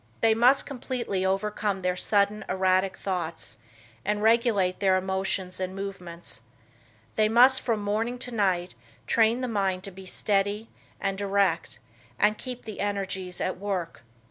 They must completely overcome their sudden, erratic thoughts, and regulate their emotions and movements. They must from morning to night train the mind to be steady, and direct and keep the energies at work.